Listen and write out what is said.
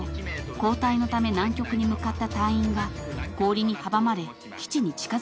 ［交代のため南極に向かった隊員が氷に阻まれ基地に近づけなかったのです］